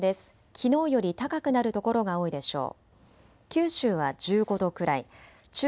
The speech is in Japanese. きのうより高くなる所が多いでしょう。